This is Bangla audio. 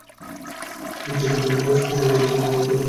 যখন তিয়ামুতকে স্পর্শ করি, তখন আমার মধ্যে এনার্জি প্রবাহিত হচ্ছিল।